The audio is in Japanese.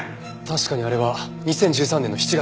確かにあれは２０１３年の７月です。